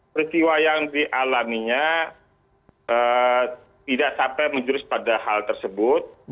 peristiwa yang dialaminya tidak sampai menjurus pada hal tersebut